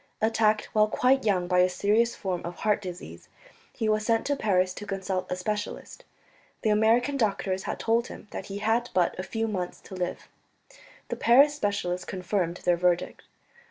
Attacked while quite young by a serious form of heart disease, he was sent to Paris to consult a specialist. The American doctors had told him that he had but a few months to live; the Paris specialist confirmed their verdict.